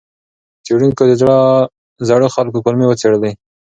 څېړونکو د زړو خلکو کولمې وڅېړلې.